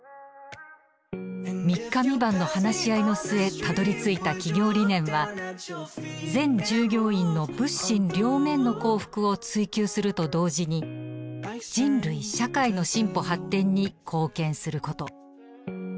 ３日３晩の話し合いの末たどりついた企業理念は「全従業員の物心両面の幸福を追求すると同時に人類社会の進歩発展に貢献すること」。